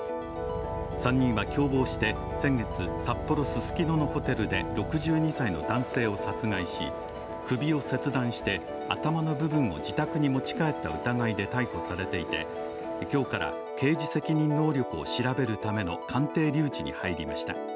３人は共謀して先月、札幌・ススキノのホテルで６２歳の男性を殺害し、首を切断して頭の部分を自宅に持ち帰った疑いで逮捕されていて、今日から刑事責任能力を調べるための鑑定留置に入りました。